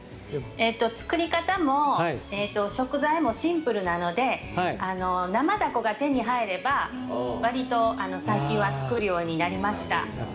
作り方も食材もシンプルなので生ダコが手に入ればわりと最近は作るようになりました。